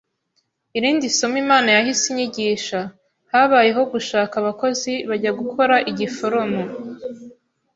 Irindi somo Imana yahise inyigisha: habayeho gushaka abakozi bajya gukora igiforomo